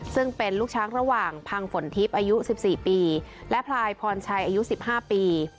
ซึ่งเป็นลูกช้างระหว่างพังฝนทิพย์อายุ๑๔ปีและพลายพรชัยอายุ๑๕ปี